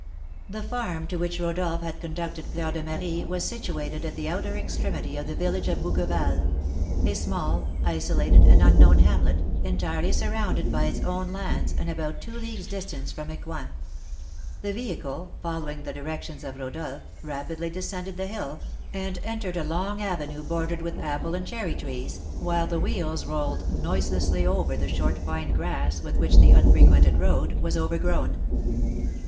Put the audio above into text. The farm to which Rodolph had conducted Fleur de Marie was situated at the outer extremity of the village of Bouqueval, a small, isolated, and unknown hamlet, entirely surrounded by its own lands, and about two leagues' distance from Ecouen; the vehicle, following the directions of Rodolph, rapidly descended the hill, and entered a long avenue bordered with apple and cherry trees, while the wheels rolled noiselessly over the short fine grass with which the unfrequented road was overgrown.